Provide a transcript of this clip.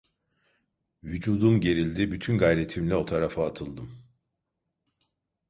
Vücudum gerildi, bütün gayretimle o tarafa atıldım.